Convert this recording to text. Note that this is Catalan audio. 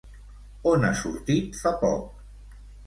On ha sortit fa poc?